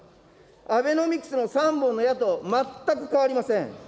アベノミクスの三本の矢と全く変わりません。